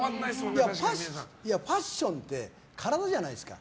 ファッションって体じゃないですか。